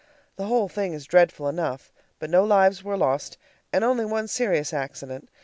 The whole thing is dreadful enough, but no lives were lost, and only one serious accident.